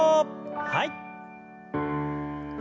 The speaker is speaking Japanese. はい。